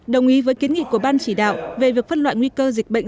đồng ý với kiến nghị của ban chỉ đạo về việc phân loại nguy cơ dịch bệnh